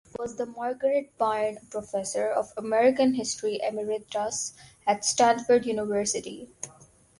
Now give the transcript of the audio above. He was the Margaret Byrne Professor of American History Emeritus at Stanford University.